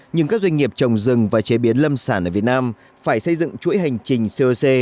nhưng các doanh nghiệp trồng rừng và chế biến lâm sản ở việt nam phải xây dựng chuỗi hành trình coc